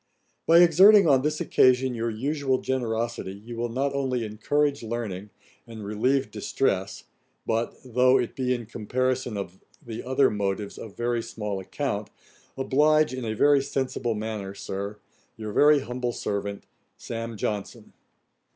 'By exerting on this occasion your usual generosity, you will not only encourage learning, and relieve distress, but (though it be in comparison of the other motives of very small account) oblige in a very sensible manner, Sir, 'Your very humble servant, 'SAM. JOHNSON.'